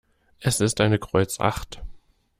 Es ist eine Kreuz acht.